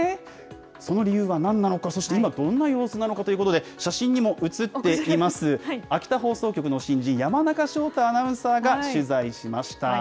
その理由はなんなのか、そして今、どんな様子なのかということで、写真にも写っています、秋田放送局の新人、山中翔太アナウンサーが取材しました。